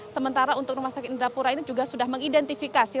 sementara untuk rumah sakit indrapura ini juga sudah mengidentifikasi